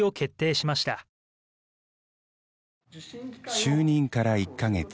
就任から１カ月。